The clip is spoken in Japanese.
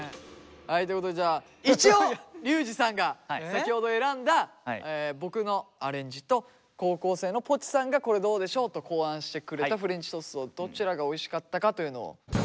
はいということでじゃあ一応リュウジさんが先ほど選んだ僕のアレンジと高校生のぽちさんがこれどうでしょうと考案してくれたフレンチトーストどちらがおいしかったかというのを。